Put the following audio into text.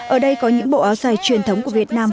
ở đây có những bộ áo dài truyền thống của việt nam